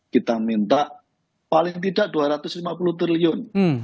kita minta paling tidak dua ratus lima puluh triliun